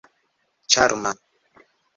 ĉarma